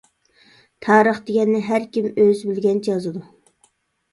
-تارىخ دېگەننى ھەركىم ئۆزى بىلگەنچە يازىدۇ.